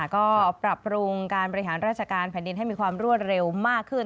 ก็ปรับปรุงการบริหารราชการแผ่นดินให้มีความรวดเร็วมากขึ้น